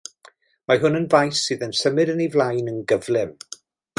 Mae hwn yn faes sydd yn symud yn ei flaen yn gyflym.